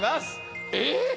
えっ⁉